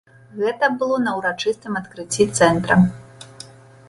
Гэта было на ўрачыстым адкрыцці цэнтра.